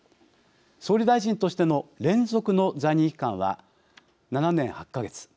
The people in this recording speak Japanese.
総理大臣としての連続の在任期間は７年８か月。